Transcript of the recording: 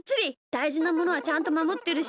だいじなものはちゃんとまもってるし。